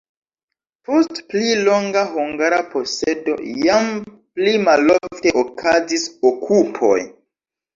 Post pli longa hungara posedo jam pli malofte okazis okupoj.